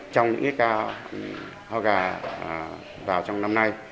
trong những ca ho gà vào trong năm nay